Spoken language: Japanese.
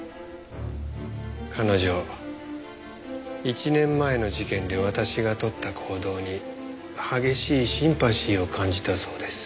彼女１年前の事件で私が取った行動に激しいシンパシーを感じたそうです。